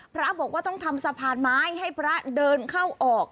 พระบอกว่าต้องทำสะพานไม้ให้พระเดินเข้าออก